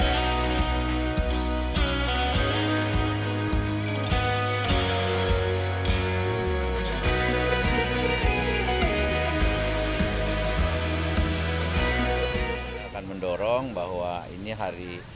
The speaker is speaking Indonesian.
kita akan mendorong bahwa ini hari